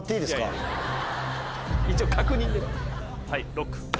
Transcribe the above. ＬＯＣＫ。